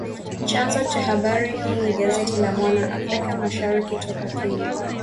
Chanzo cha habari hii ni gazeti la Mwana Africa Mashariki, toka Kenya